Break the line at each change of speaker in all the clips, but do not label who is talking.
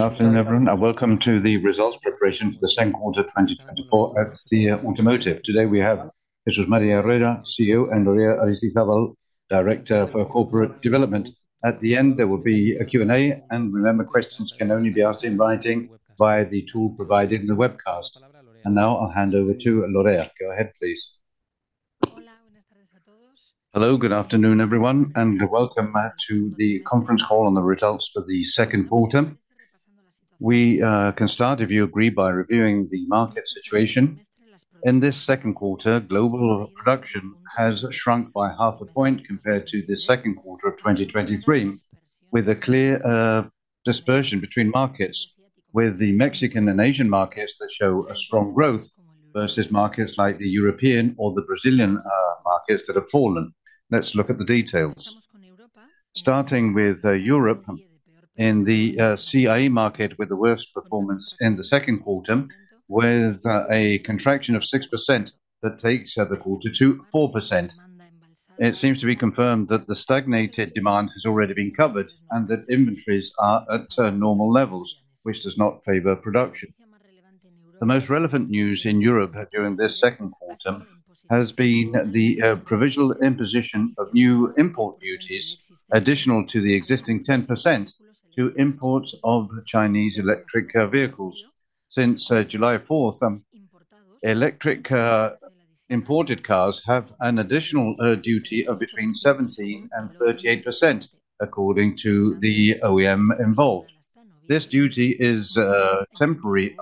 Good afternoon, everyone, and welcome to the Results Presentation for the Second Quarter 2024 at CIE Automotive. Today, we have Jesús María Herrera, CEO, and Lorea Aristizabal Abasolo, Director of Corporate Development. At the end, there will be a Q&A, and remember, questions can only be asked in writing via the tool provided in the webcast. Now I'll hand over to Lorea. Go ahead, please.
Hello, good afternoon, everyone, and welcome back to the conference call on the results for the second quarter. We can start, if you agree, by reviewing the market situation. In this second quarter, global production has shrunk by half a point compared to the second quarter of 2023, with a clear dispersion between markets, with the Mexican and Asian markets that show a strong growth versus markets like the European or the Brazilian markets that have fallen. Let's look at the details. Starting with Europe and the CEE market, with the worst performance in the second quarter, with a contraction of 6% that takes the quarter to 4%. It seems to be confirmed that the stagnated demand has already been covered and that inventories are at normal levels, which does not favor production. The most relevant news in Europe during this second quarter has been the provisional imposition of new import duties, additional to the existing 10%, to imports of Chinese electric vehicles. Since July fourth, electric imported cars have an additional duty of between 17% and 38%, according to the OEM involved. This duty is temporary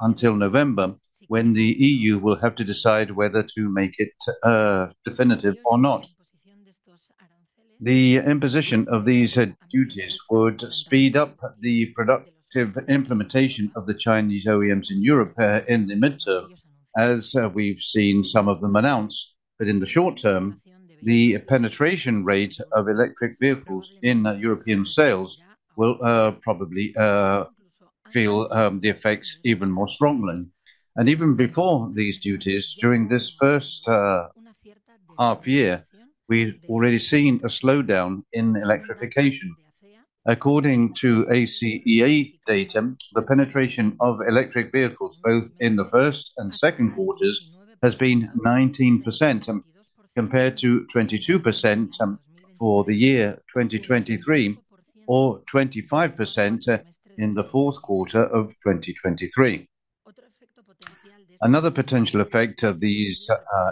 until November, when the EU will have to decide whether to make it definitive or not. The imposition of these duties would speed up the productive implementation of the Chinese OEMs in Europe, in the midterm, as we've seen some of them announce. But in the short term, the penetration rate of electric vehicles in European sales will, probably, feel, the effects even more strongly. And even before these duties, during this first, half year, we've already seen a slowdown in electrification. According to ACEA data, the penetration of electric vehicles, both in the first and second quarters, has been 19%, compared to 22%, for the year 2023, or 25%, in the fourth quarter of 2023. Another potential effect of these,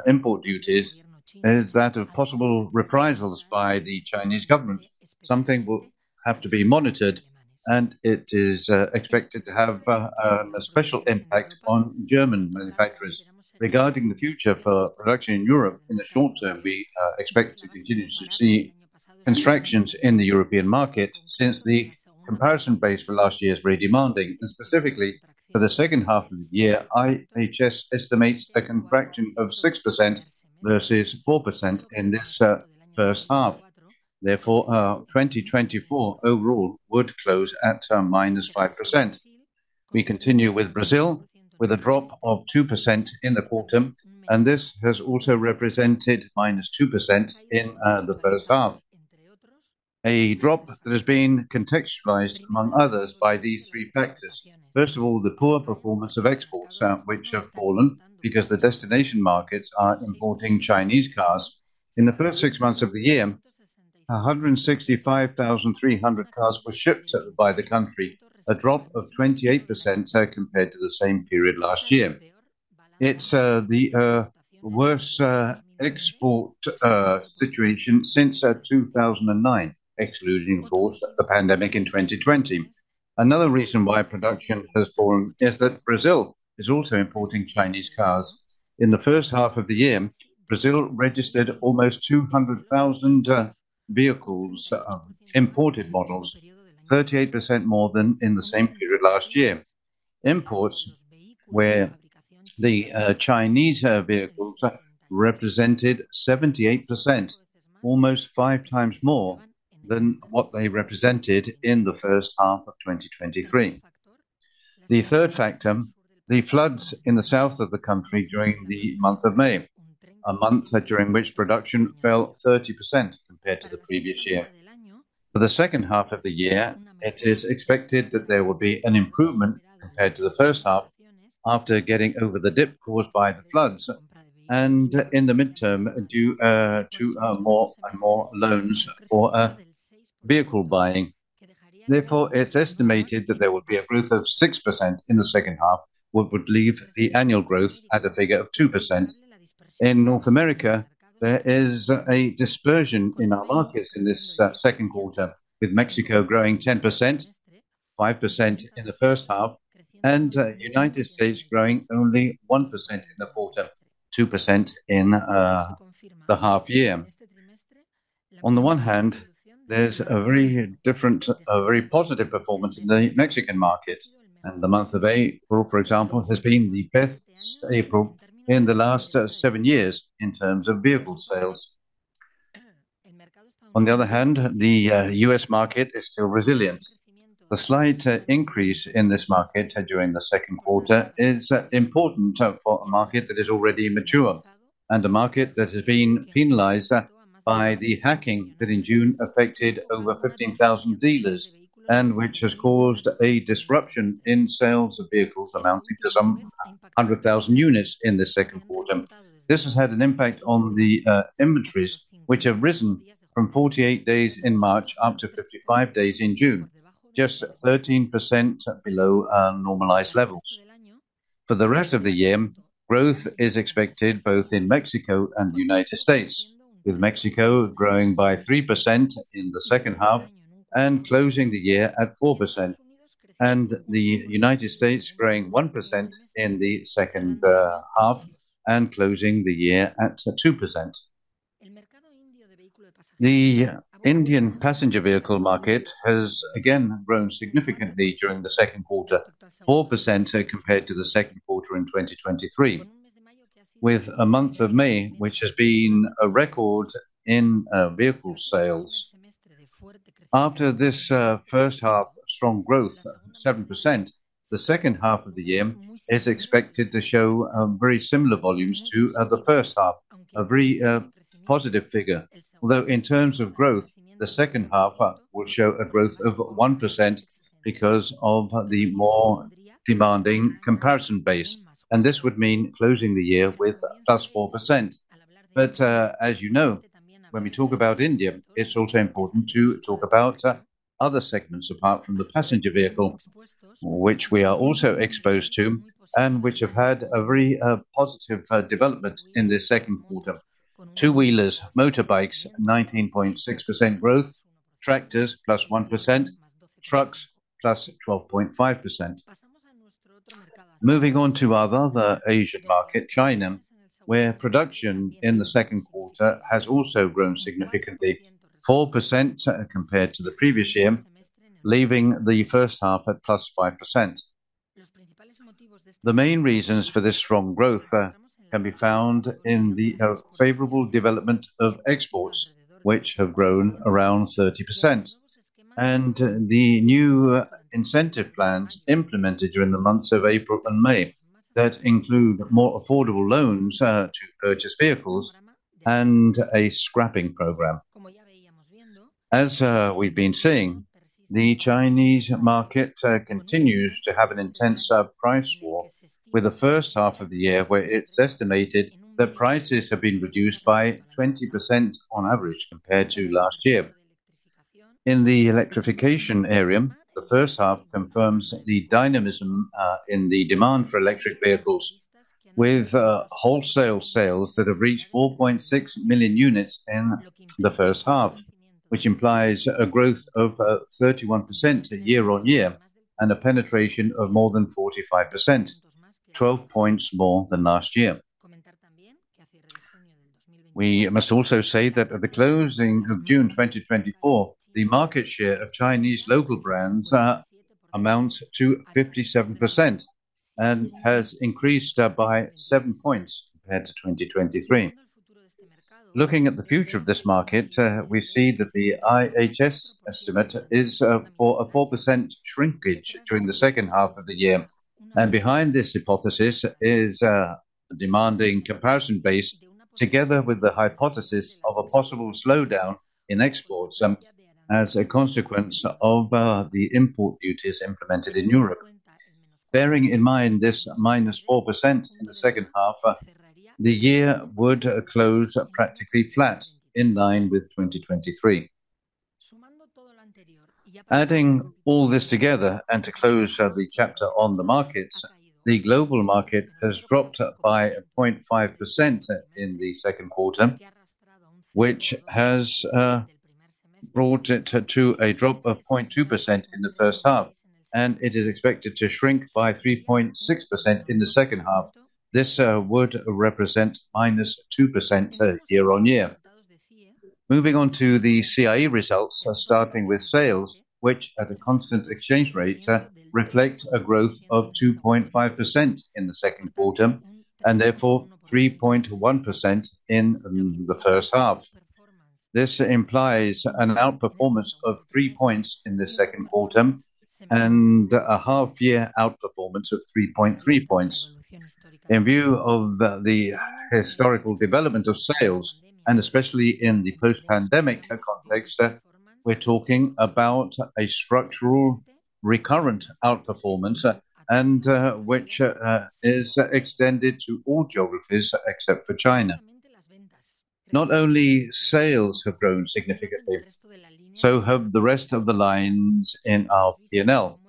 import duties is that of possible reprisals by the Chinese government. Something will have to be monitored, and it is, expected to have, a special impact on German manufacturers. Regarding the future for production in Europe, in the short term, we expect to continue to see contractions in the European market since the comparison base for last year is very demanding, and specifically for the second half of the year, IHS estimates a contraction of 6% versus 4% in this first half. Therefore, 2024 overall would close at -5%. We continue with Brazil, with a drop of 2% in the quarter, and this has also represented -2% in the first half. A drop that has been contextualized, among others, by these three factors: First of all, the poor performance of exports, which have fallen because the destination markets are importing Chinese cars. In the first six months of the year, 165,300 cars were shipped by the country, a drop of 28%, compared to the same period last year. It's the worst export situation since 2009, excluding, of course, the pandemic in 2020. Another reason why production has fallen is that Brazil is also importing Chinese cars. In the first half of the year, Brazil registered almost 200,000 vehicles, imported models, 38% more than in the same period last year. Imports, where the Chinese vehicles represented 78%, almost five times more than what they represented in the first half of 2023. The third factor, the floods in the south of the country during the month of May, a month during which production fell 30% compared to the previous year. For the second half of the year, it is expected that there will be an improvement compared to the first half, after getting over the dip caused by the floods, and in the midterm, due to more and more loans for vehicle buying. Therefore, it's estimated that there will be a growth of 6% in the second half, what would leave the annual growth at a figure of 2%. In North America, there is a dispersion in our markets in this second quarter, with Mexico growing 10%, 5% in the first half, and United States growing only 1% in the quarter, 2% in the half year. On the one hand, there's a very different, a very positive performance in the Mexican market, and the month of April, for example, has been the best April in the last 7 years in terms of vehicle sales. On the other hand, the U.S. market is still resilient. The slight increase in this market during the second quarter is important for a market that is already mature... and a market that has been penalized by the hacking that in June affected over 15,000 dealers, and which has caused a disruption in sales of vehicles amounting to some 100,000 units in the second quarter. This has had an impact on the inventories, which have risen from 48 days in March up to 55 days in June, just 13% below normalized levels. For the rest of the year, growth is expected both in Mexico and the United States, with Mexico growing by 3% in the second half and closing the year at 4%, and the United States growing 1% in the second half and closing the year at 2%. The Indian passenger vehicle market has again grown significantly during the second quarter, 4% compared to the second quarter in 2023, with a month of May, which has been a record in vehicle sales. After this first half strong growth, 7%, the second half of the year is expected to show very similar volumes to the first half, a very positive figure. Although in terms of growth, the second half will show a growth of 1% because of the more demanding comparison base, and this would mean closing the year with +4%. But, as you know, when we talk about India, it's also important to talk about other segments apart from the passenger vehicle, which we are also exposed to and which have had a very positive development in this second quarter. Two-wheelers, motorbikes, 19.6% growth. Tractors, +1%. Trucks, +12.5%. Moving on to our other Asian market, China, where production in the second quarter has also grown significantly, 4% compared to the previous year, leaving the first half at +5%. The main reasons for this strong growth can be found in the favorable development of exports, which have grown around 30%. The new incentive plans implemented during the months of April and May, that include more affordable loans to purchase vehicles and a scrapping program. As we've been seeing, the Chinese market continues to have an intense price war, with the first half of the year, where it's estimated that prices have been reduced by 20% on average compared to last year. In the electrification area, the first half confirms the dynamism in the demand for electric vehicles, with wholesale sales that have reached 4.6 million units in the first half, which implies a growth of 31% year-on-year, and a penetration of more than 45%, 12 points more than last year. We must also say that at the closing of June 2024, the market share of Chinese local brands amounts to 57% and has increased by 7 points compared to 2023. Looking at the future of this market, we see that the IHS estimate is for a 4% shrinkage during the second half of the year. And behind this hypothesis is a demanding comparison base, together with the hypothesis of a possible slowdown in exports as a consequence of the import duties implemented in Europe. Bearing in mind this -4% in the second half, the year would close practically flat, in line with 2023. Adding all this together, and to close the chapter on the markets, the global market has dropped by 0.5% in the second quarter, which has brought it to a drop of 0.2% in the first half, and it is expected to shrink by 3.6% in the second half. This would represent -2% year-on-year. Moving on to the CIE results, starting with sales, which, at a constant exchange rate, reflect a growth of 2.5% in the second quarter, and therefore 3.1% in the first half. This implies an outperformance of 3 points in the second quarter, and a half-year outperformance of 3.3 points. In view of the historical development of sales, and especially in the post-pandemic context, we're talking about a structural, recurrent outperformance, and, which, is extended to all geographies except for China. Not only sales have grown significantly, so have the rest of the lines in our P&L.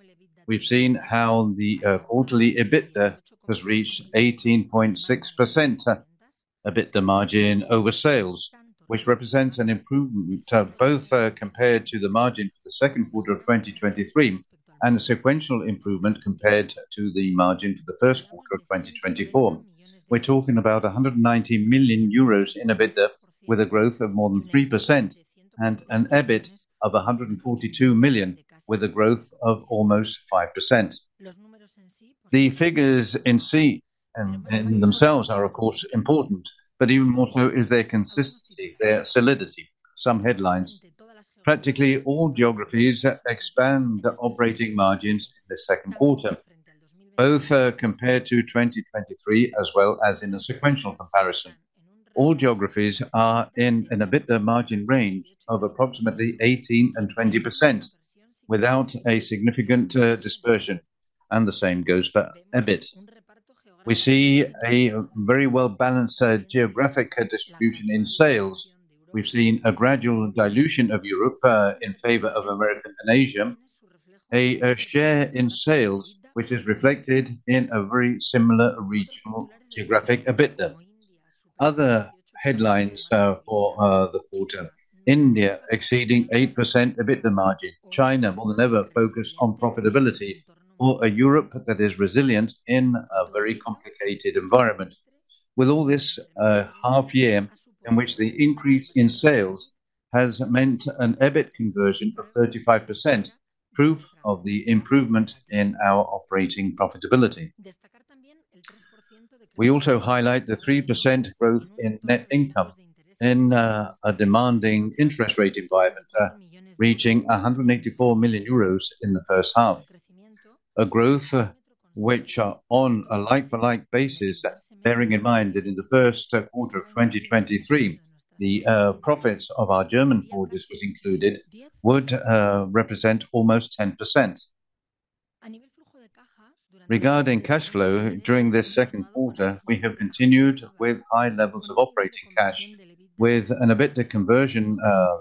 We've seen how the, quarterly EBITDA has reached 18.6% EBITDA margin over sales, which represents an improvement, both, compared to the margin for the second quarter of 2023, and a sequential improvement compared to the margin for the first quarter of 2024. We're talking about 190 million euros in EBITDA, with a growth of more than 3%, and an EBIT of 142 million, with a growth of almost 5%. The figures in CIE, in themselves are, of course, important, but even more so is their consistency, their solidity. Some headlines. Practically all geographies expand the operating margins in the second quarter, both compared to 2023, as well as in a sequential comparison. All geographies are in EBITDA margin range of approximately 18%-20%, without a significant dispersion, and the same goes for EBIT. We see a very well-balanced geographic distribution in sales. We've seen a gradual dilution of Europe in favor of America and Asia. A share in sales, which is reflected in a very similar regional geographic EBITDA. Other headlines for the quarter, India exceeding 8% EBITDA margin. China will never focus on profitability or a Europe that is resilient in a very complicated environment. With all this, half year in which the increase in sales has meant an EBIT conversion of 35%, proof of the improvement in our operating profitability. We also highlight the 3% growth in net income in a demanding interest rate environment, reaching 184 million euros in the first half. A growth which, on a like-for-like basis, bearing in mind that in the first quarter of 2023, the profits of our German Forges was included, would represent almost 10%. Regarding cash flow, during this second quarter, we have continued with high levels of operating cash, with an EBITDA conversion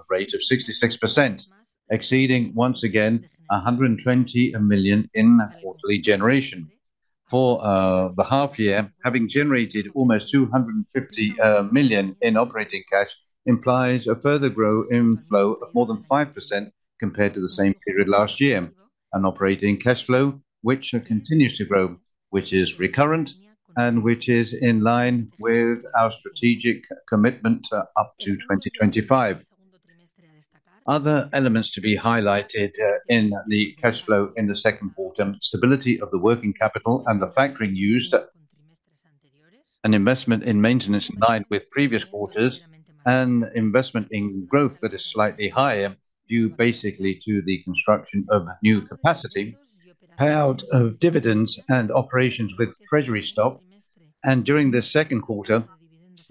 rate of 66%, exceeding once again 120 million in quarterly generation. For the half year, having generated almost 250 million in operating cash, implies a further grow in flow of more than 5% compared to the same period last year. An operating cash flow, which continues to grow, which is recurrent and which is in line with our strategic commitment up to 2025. Other elements to be highlighted in the cash flow in the second quarter, stability of the working capital and the factoring used, an investment in maintenance in line with previous quarters, and investment in growth that is slightly higher, due basically to the construction of new capacity, payout of dividends and operations with treasury stock. And during this second quarter,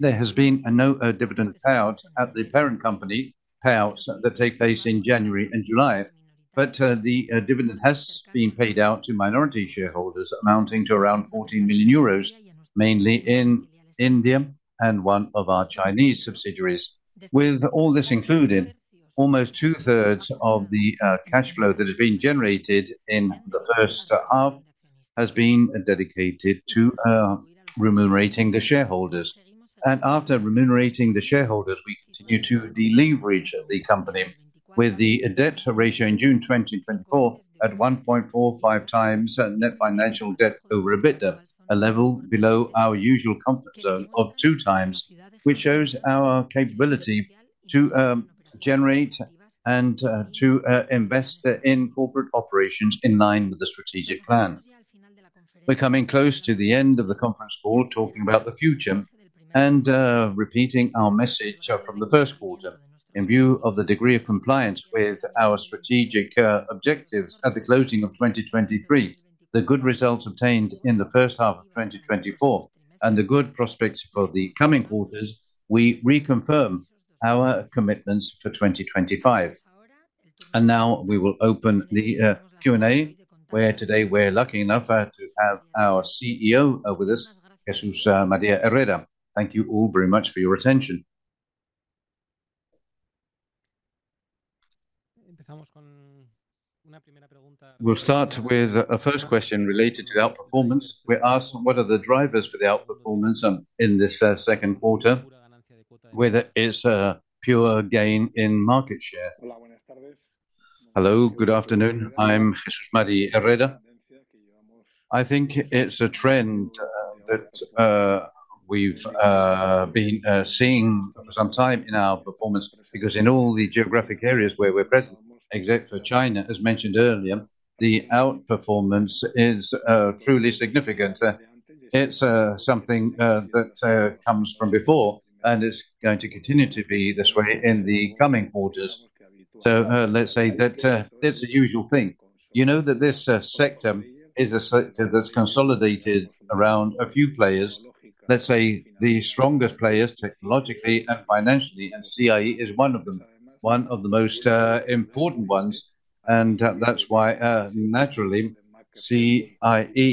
there has been no dividend payout at the parent company, payouts that take place in January and July. But, the dividend has been paid out to minority shareholders, amounting to around 14 million euros, mainly in India and one of our Chinese subsidiaries. With all this included, almost two-thirds of the cash flow that has been generated in the first half has been dedicated to remunerating the shareholders. After remunerating the shareholders, we continue to deleverage the company with the debt ratio in June 2024 at 1.45 times net financial debt over EBITDA, a level below our usual comfort zone of 2x, which shows our capability to generate and to invest in corporate operations in line with the strategic plan. We're coming close to the end of the conference call, talking about the future and repeating our message from the first quarter. In view of the degree of compliance with our strategic objectives at the closing of 2023, the good results obtained in the first half of 2024, and the good prospects for the coming quarters, we reconfirm our commitments for 2025. Now we will open the Q&A, where today we're lucky enough to have our CEO with us, Jesús María Herrera. Thank you all very much for your attention.
We'll start with a first question related to our performance. We're asked, "What are the drivers for the outperformance in this second quarter? Whether it's a pure gain in market share."
Hello, good afternoon. I'm Jesús María Herrera. I think it's a trend that we've been seeing for some time in our performance, because in all the geographic areas where we're present, except for China, as mentioned earlier, the outperformance is truly significant. It's something that comes from before, and it's going to continue to be this way in the coming quarters. So, let's say that it's a usual thing. You know, that this sector that's consolidated around a few players. Let's say, the strongest players, technologically and financially, and CIE is one of them, one of the most important ones. And that's why, naturally, CIE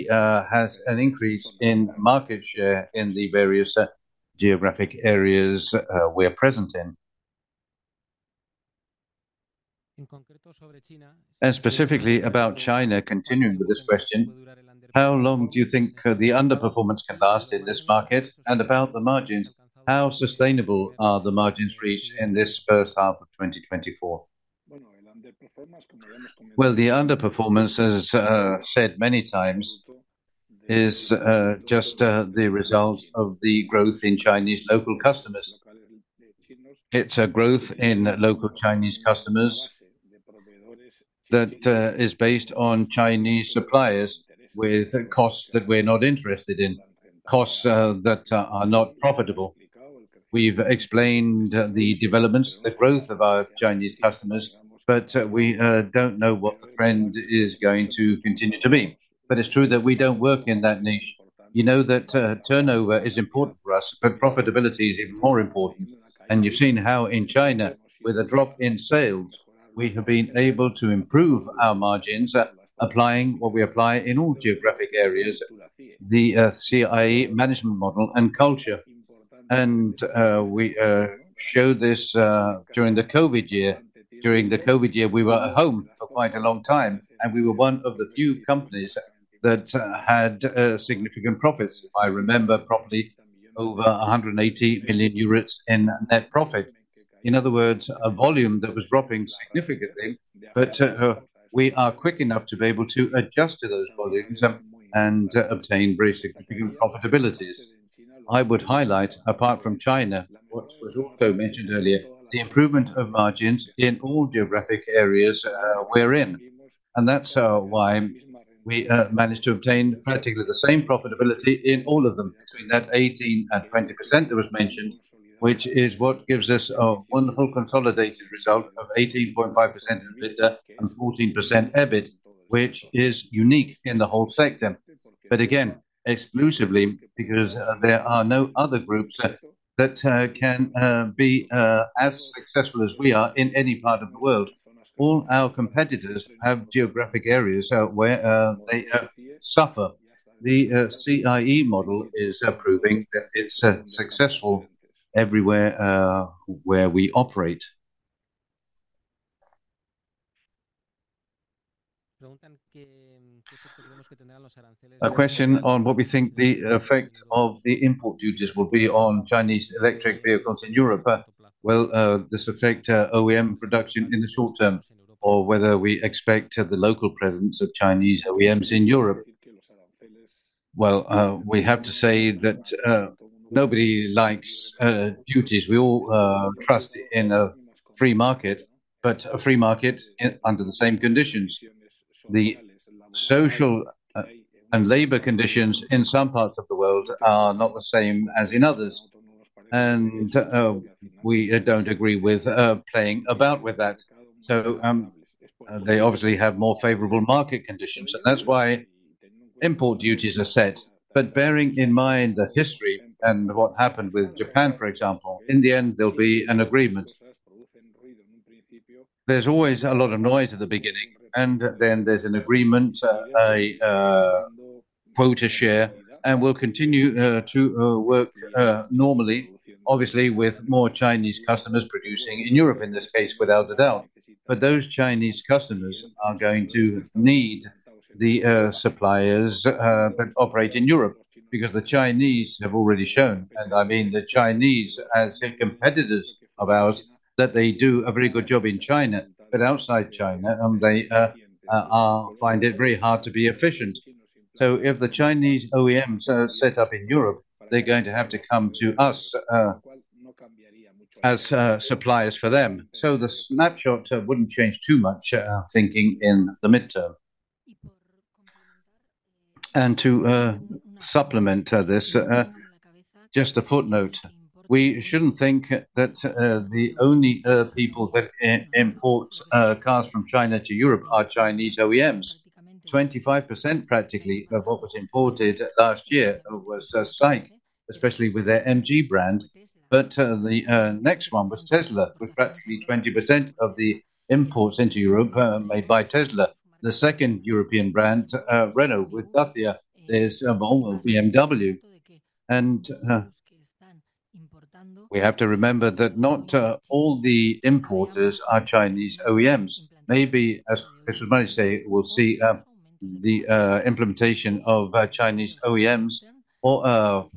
has an increase in market share in the various geographic areas we're present in.
And specifically about China, continuing with this question: How long do you think the underperformance can last in this market? And about the margins, how sustainable are the margins reached in this first half of 2024?
Well, the underperformance, as said many times, is just the result of the growth in Chinese local customers. It's a growth in local Chinese customers that is based on Chinese suppliers, with costs that we're not interested in, costs that are not profitable. We've explained the developments, the growth of our Chinese customers, but we don't know what the trend is going to continue to be. But it's true that we don't work in that niche. You know, that turnover is important for us, but profitability is even more important. And you've seen how in China, with a drop in sales, we have been able to improve our margins, applying what we apply in all geographic areas, the CIE management model and culture. And we showed this during the COVID year. During the COVID year, we were at home for quite a long time, and we were one of the few companies that had significant profits. If I remember properly, over 180 million euros in net profit. In other words, a volume that was dropping significantly, but we are quick enough to be able to adjust to those volumes, and obtain very significant profitabilities. I would highlight, apart from China, what was also mentioned earlier, the improvement of margins in all geographic areas we're in. That's why we managed to obtain practically the same profitability in all of them, between that 18%-20% that was mentioned, which is what gives us a wonderful consolidated result of 18.5% in EBITDA and 14% EBIT, which is unique in the whole sector. But again, exclusively because there are no other groups that can be as successful as we are in any part of the world. All our competitors have geographic areas where they suffer. The CIE model is proving that it's successful everywhere where we operate.
A question on what we think the effect of the import duties will be on Chinese electric vehicles in Europe. Will this affect OEM production in the short term, or whether we expect the local presence of Chinese OEMs in Europe?
Well, we have to say that nobody likes duties. We all trust in a free market, but a free market under the same conditions. The social and labor conditions in some parts of the world are not the same as in others, and we don't agree with playing about with that. So, they obviously have more favorable market conditions, and that's why import duties are set. But bearing in mind the history and what happened with Japan, for example, in the end, there'll be an agreement. There's always a lot of noise at the beginning, and then there's an agreement, a quota share, and we'll continue to work normally, obviously, with more Chinese customers producing in Europe, in this case, without a doubt. But those Chinese customers are going to need the suppliers that operate in Europe, because the Chinese have already shown, and I mean the Chinese as competitors of ours, that they do a very good job in China, but outside China, they find it very hard to be efficient. So if the Chinese OEMs are set up in Europe, they're going to have to come to us as suppliers for them. So the snapshot wouldn't change too much thinking in the midterm.
And to supplement this, just a footnote. We shouldn't think that the only people that import cars from China to Europe are Chinese OEMs. 25%, practically, of what was imported last year was SAIC, especially with their MG brand, but the next one was Tesla, with practically 20% of the imports into Europe made by Tesla. The second European brand, Renault with Dacia. There's BMW. And we have to remember that not all the importers are Chinese OEMs. Maybe, as Jesús may say, we'll see the implementation of Chinese OEMs or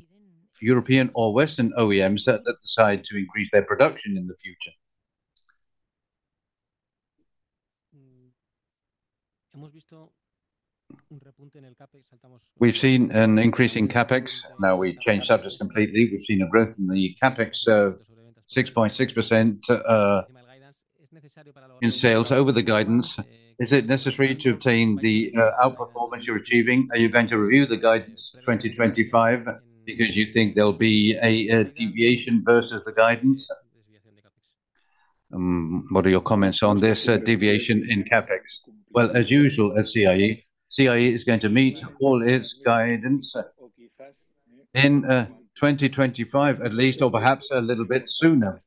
European or Western OEMs that decide to increase their production in the future.
We've seen an increase in CapEx. Now, we changed subjects completely. We've seen a growth in the CapEx, so 6.6% in sales over the guidance. Is it necessary to obtain the outperformance you're achieving? Are you going to review the guidance 2025 because you think there'll be a deviation versus the guidance? What are your comments on this deviation in CapEx?
Well, as usual, as CIE, CIE is going to meet all its guidance in 2025, at least, or perhaps a little bit sooner.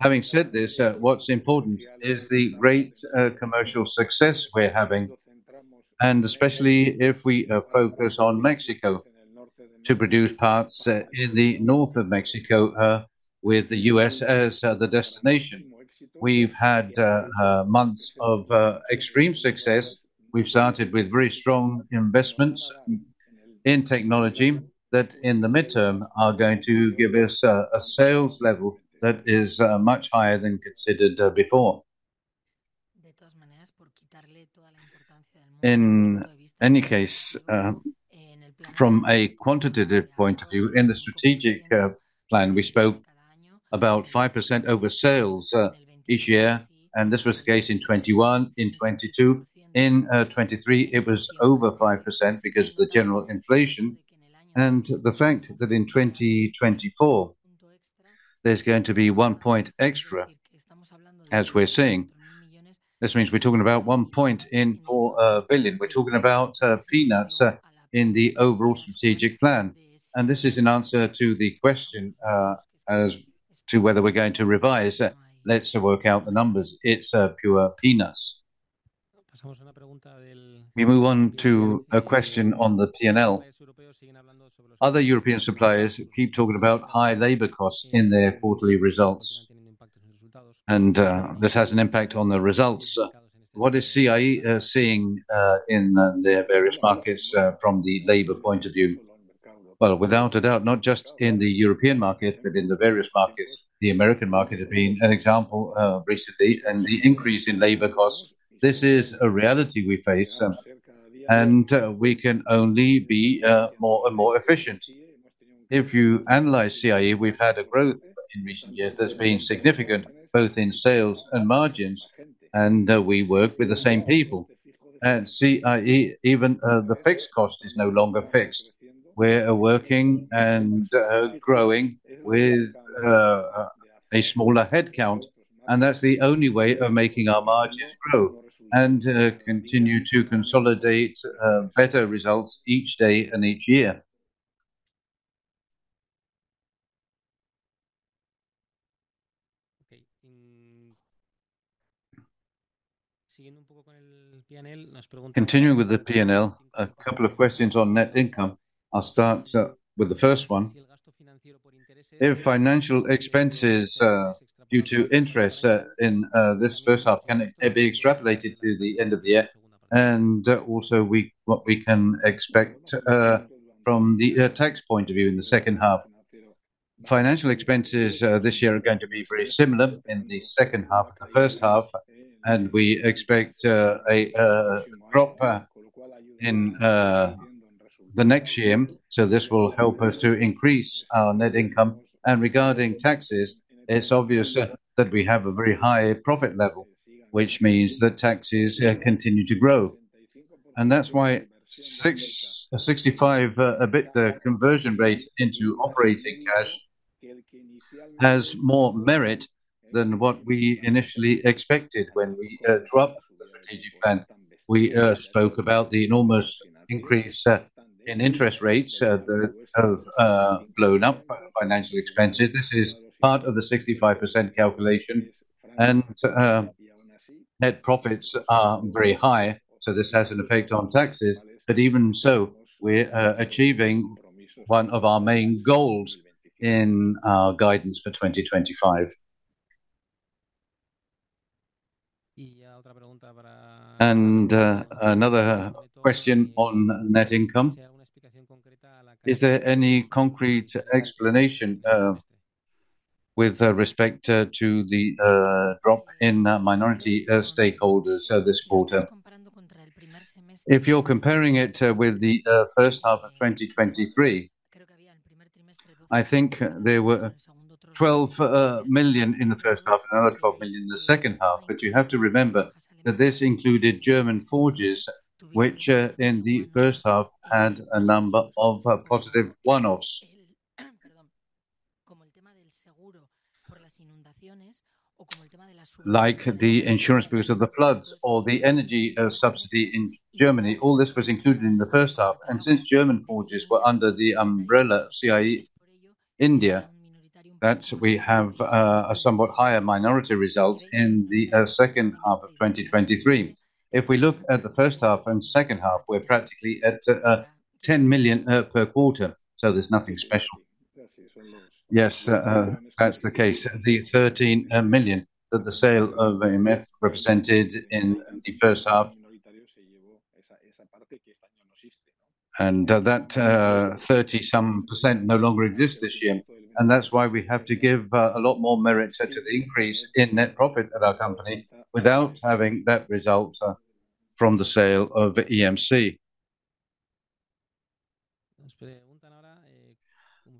Having said this, what's important is the great commercial success we're having, and especially if we focus on Mexico to produce parts in the north of Mexico with the U.S. as the destination. We've had months of extreme success. We've started with very strong investments in technology that, in the midterm, are going to give us a sales level that is much higher than considered before.
In any case, from a quantitative point of view, in the strategic plan, we spoke about 5% over sales each year, and this was the case in 2021, in 2022. In 2023, it was over 5% because of the general inflation. And the fact that in 2024 there's going to be 1% extra, as we're seeing. This means we're talking about 1.4 billion. We're talking about peanuts in the overall strategic plan, and this is in answer to the question as to whether we're going to revise. Let's work out the numbers. It's pure peanuts.
We move on to a question on the P&L. Other European suppliers keep talking about high labor costs in their quarterly results, and this has an impact on the results. What is CIE seeing in the various markets from the labor point of view?
Well, without a doubt, not just in the European market, but in the various markets, the American market has been an example recently, and the increase in labor costs; this is a reality we face, and we can only be more and more efficient. If you analyze CIE, we've had a growth in recent years that's been significant, both in sales and margins, and we work with the same people. At CIE, even the fixed cost is no longer fixed. We're working and growing with a smaller headcount, and that's the only way of making our margins grow and continue to consolidate better results each day and each year.
Continuing with the P&L, a couple of questions on net income. I'll start with the first one. If financial expenses due to interest in this first half can it be extrapolated to the end of the year, and also what we can expect from the tax point of view in the second half?
Financial expenses this year are going to be very similar in the second half to the first half, and we expect a drop in the next year, so this will help us to increase our net income. Regarding taxes, it's obvious that we have a very high profit level, which means that taxes continue to grow. That's why 65% EBITDA conversion rate into operating cash has more merit than what we initially expected when we dropped the strategic plan. We spoke about the enormous increase in interest rates that have blown up financial expenses. This is part of the 65% calculation, and net profits are very high, so this has an effect on taxes. But even so, we're achieving one of our main goals in our guidance for 2025.
And another question on net income: Is there any concrete explanation with respect to the drop in minority shareholders this quarter?
If you're comparing it with the first half of 2023, I think there were 12 million in the first half, another 12 million in the second half. But you have to remember that this included German Forges, which in the first half had a number of positive one-offs. Like the insurance because of the floods or the energy subsidy in Germany, all this was included in the first half, and since German Forgings were under the umbrella CIE India, that we have a somewhat higher minority result in the second half of 2023. If we look at the first half and second half, we're practically at 10 million per quarter, so there's nothing special.
Yes, that's the case. The 13 million that the sale of MCIE represented in the first half. And that 30-some% no longer exists this year, and that's why we have to give a lot more merit to the increase in net profit at our company without having that result from the sale of MCIE.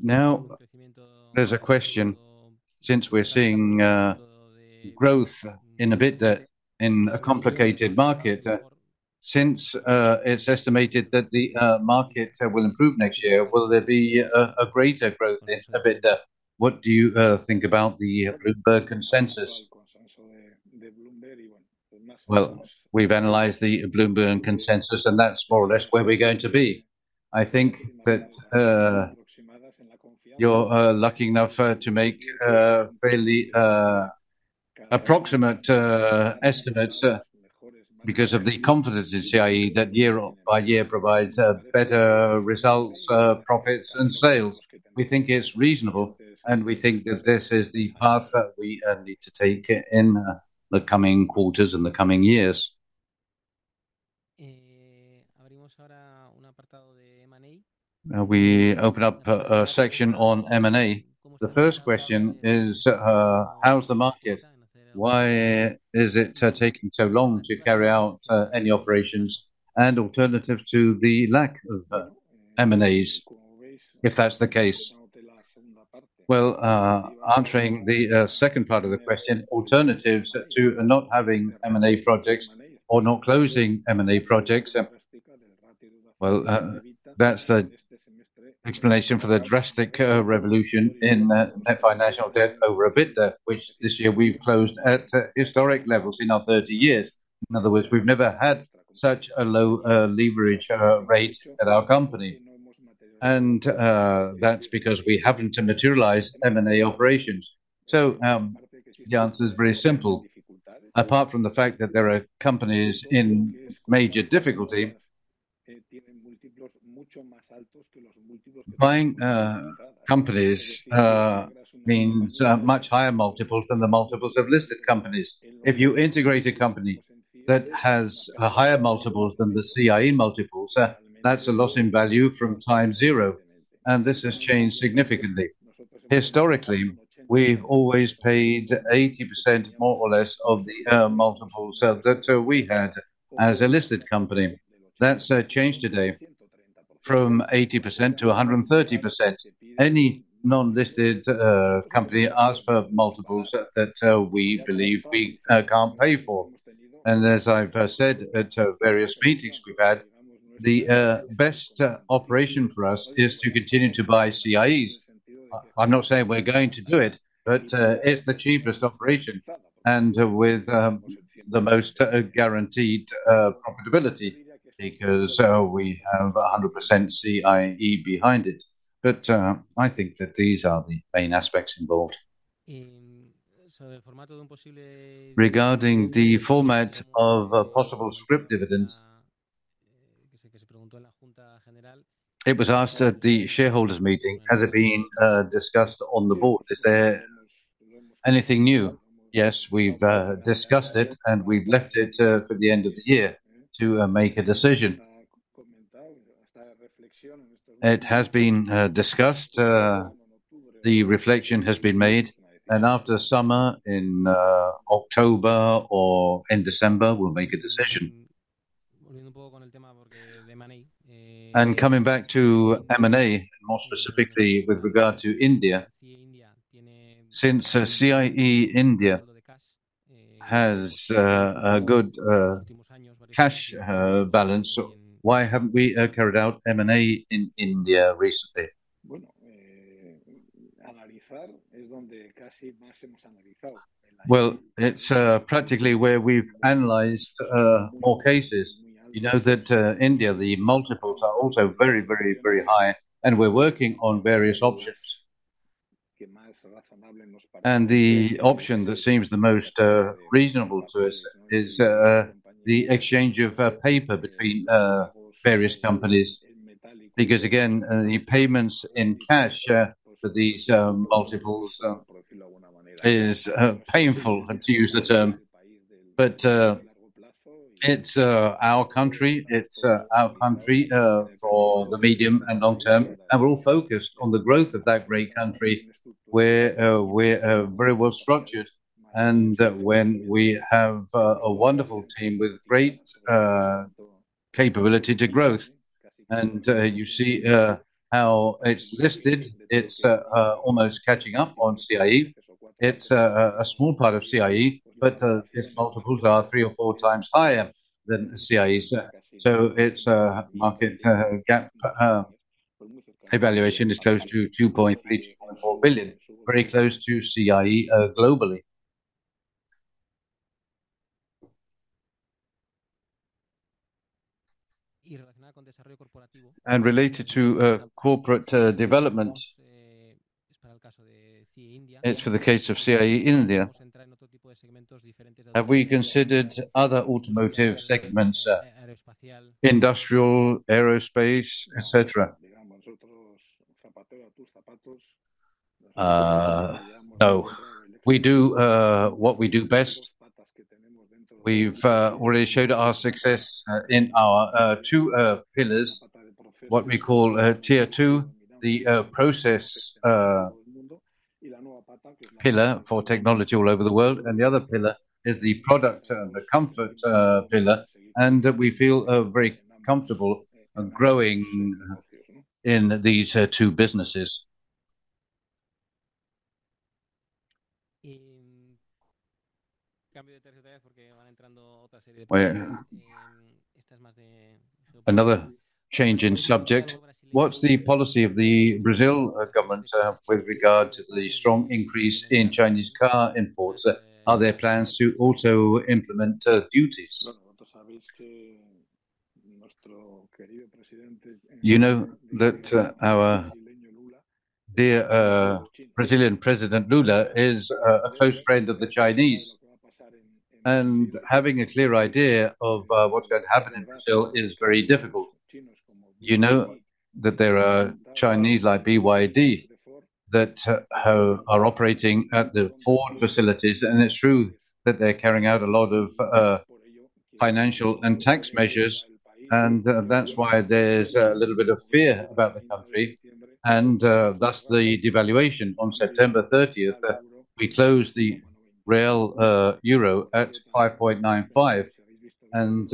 Now, there's a question, since we're seeing growth in EBITDA in a complicated market, since it's estimated that the market will improve next year, will there be a greater growth in EBITDA? What do you think about the Bloomberg consensus?
Well, we've analyzed the Bloomberg consensus, and that's more or less where we're going to be. I think that you're lucky enough to make fairly approximate estimates because of the confidence in CIE that year on year provides better results, profits and sales. We think it's reasonable, and we think that this is the path that we need to take in the coming quarters and the coming years.
Now, we open up a section on M&A. The first question is: How's the market? Why is it taking so long to carry out any operations? And alternative to the lack of M&As, if that's the case.
Well, answering the second part of the question, alternatives to not having M&A projects or not closing M&A projects. Well, that's the explanation for the drastic revolution in net financial debt over a bit, which this year we've closed at historic levels in our 30 years. In other words, we've never had such a low leverage rate at our company. And, that's because we happen to materialize M&A operations. So, the answer is very simple. Apart from the fact that there are companies in major difficulty, buying companies means much higher multiples than the multiples of listed companies. If you integrate a company that has a higher multiples than the CIE multiples, that's a lot in value from time zero, and this has changed significantly. Historically, we've always paid 80%, more or less, of the multiples that we had as a listed company. That's changed today from 80% to 130%. Any non-listed company asks for multiples that we believe we can't pay for. And as I've said at various meetings we've had, the best operation for us is to continue to buy CIEs. I'm not saying we're going to do it, but it's the cheapest operation, and with the most guaranteed profitability, because we have 100% CIE behind it. But I think that these are the main aspects involved.
Regarding the format of a possible scrip dividend, it was asked at the shareholders meeting, has it been discussed on the board? Is there anything new?
Yes, we've discussed it, and we've left it for the end of the year to make a decision. It has been discussed, the reflection has been made, and after summer, in October or in December, we'll make a decision.
And coming back to M&A, more specifically with regard to India, since CIE India has a good cash balance, why haven't we carried out M&A in India recently?
Well, it's practically where we've analyzed more cases. You know that India, the multiples are also very, very, very high, and we're working on various options. And the option that seems the most reasonable to us is the exchange of paper between various companies, because again, the payments in cash for these multiples is painful, to use the term. But it's our country, it's our country for the medium and long term, and we're all focused on the growth of that great country, where we're very well structured, and when we have a wonderful team with great capability to growth. And you see how it's listed. It's almost catching up on CIE. It's a small part of CIE, but its multiples are 3 or 4x higher than CIE, sir. So it's a market gap evaluation is close to 2.3-2.4 billion, very close to CIE globally.
And related to corporate development, it's for the case of CIE India, have we considered other automotive segments, industrial, aerospace, et cetera?
So we do what we do best. We've already showed our success in our two pillars, what we call Tier 2, the process pillar for technology all over the world, and the other pillar is the product and the comfort pillar, and we feel very comfortable growing in these two businesses.
Another change in subject, what's the policy of the Brazil government with regard to the strong increase in Chinese car imports? Are there plans to also implement duties?
You know that our dear Brazilian President Lula is a close friend of the Chinese, and having a clear idea of what's going to happen in Brazil is very difficult. You know that there are Chinese like BYD that are operating at the Ford facilities, and it's true that they're carrying out a lot of financial and tax measures, and that's why there's a little bit of fear about the country, and thus the devaluation on September thirtieth we closed the Real EUR at 5.95. And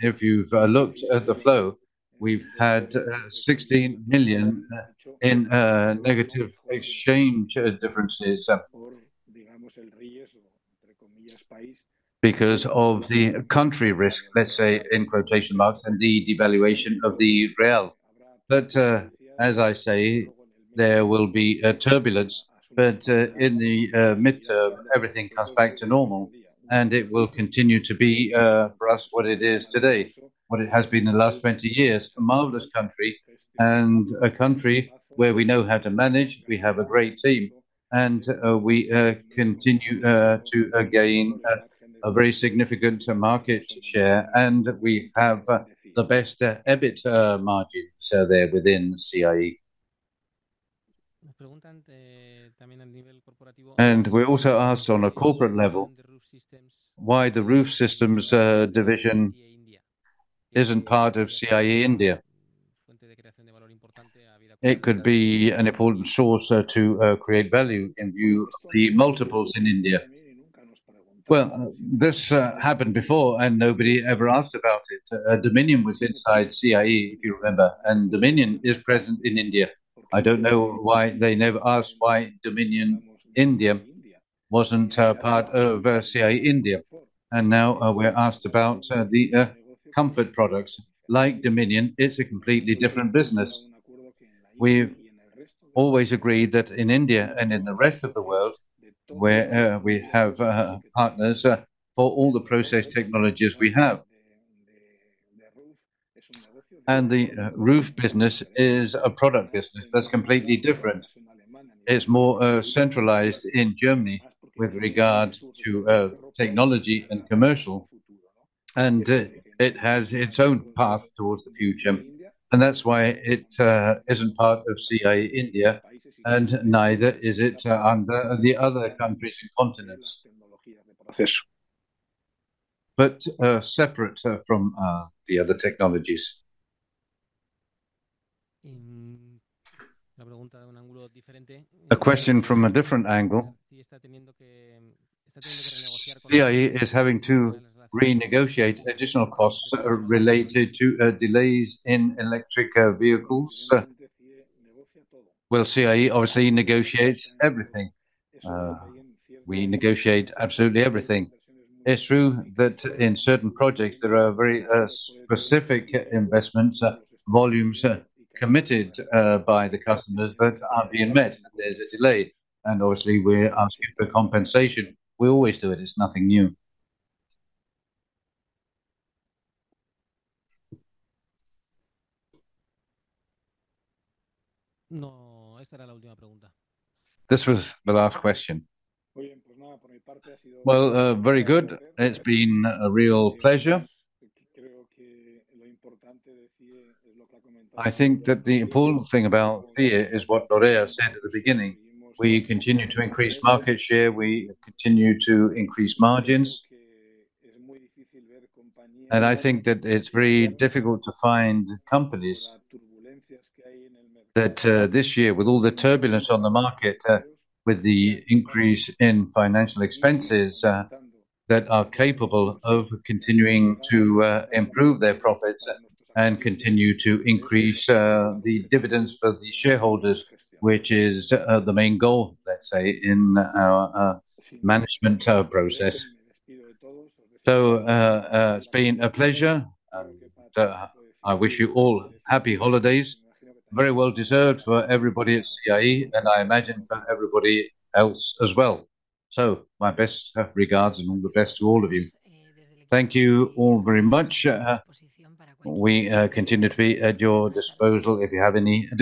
if you've looked at the flow, we've had 16 million in negative exchange differences because of the country risk, let's say, in quotation marks, and the devaluation of the real. But, as I say, there will be a turbulence, but, in the midterm, everything comes back to normal, and it will continue to be, for us, what it is today, what it has been in the last 20 years, a marvelous country and a country where we know how to manage. We have a great team, and, we continue to gain a very significant market share, and we have the best EBIT margin, so there within CIE.
And we're also asked on a corporate level, why the Roof Systems division isn't part of CIE India? It could be an important source to create value in view of the multiples in India.
Well, this happened before, and nobody ever asked about it. Dominion was inside CIE, if you remember, and Dominion is present in India. I don't know why they never asked why Dominion India wasn't part of CIE India. And now, we're asked about the comfort products. Like Dominion, it's a completely different business. We've always agreed that in India and in the rest of the world, where we have partners for all the process technologies we have. And the roof business is a product business that's completely different. It's more centralized in Germany with regards to technology and commercial, and it has its own path towards the future. And that's why it isn't part of CIE India, and neither is it under the other countries and continents. But separate from the other technologies.
A question from a different angle. CIE is having to renegotiate additional costs, related to, delays in electric, vehicles.
Well, CIE obviously negotiates everything. We negotiate absolutely everything. It's true that in certain projects, there are very, specific investments, volumes, committed, by the customers that are being met, and there's a delay, and obviously, we're asking for compensation. We always do it. It's nothing new.
This was the last question.
Well, very good. It's been a real pleasure. I think that the important thing about CIE is what Lorea said at the beginning. We continue to increase market share, we continue to increase margins. I think that it's very difficult to find companies that, this year, with all the turbulence on the market, with the increase in financial expenses, that are capable of continuing to improve their profits and continue to increase the dividends for the shareholders, which is the main goal, let's say, in our management process. So, it's been a pleasure, and I wish you all happy holidays. Very well deserved for everybody at CIE, and I imagine for everybody else as well. So my best regards, and all the best to all of you.
Thank you all very much. We continue to be at your disposal if you have any